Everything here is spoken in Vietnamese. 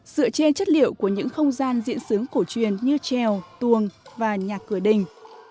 dựa trên chất liệu của những không gian diễn xứng cổ truyền như treo tuồng và nhạc cửa đình